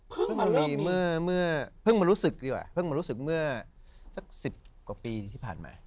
มันมีเมื่อเพิ่งมารู้สึกดีกว่าเพิ่งมารู้สึกเมื่อสัก๑๐กว่าปีที่ผ่านมา